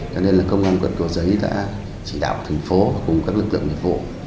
cho nên công an quận cổ giấy đã chỉ đạo thành phố và các lực lượng liệt vụ